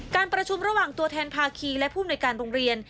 การประชุมระหว่างตัวแทนภาคีและภูมิในการโรงเรียน